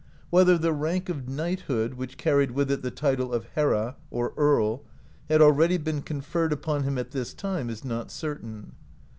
Whether the rank of knighthood, which carried with it the title of "herra" (Earl), had already been conferred upon him at this time is not cer tain.